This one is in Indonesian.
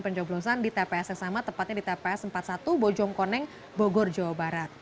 pencoblosan di tps yang sama tepatnya di tps empat puluh satu bojongkoneng bogor jawa barat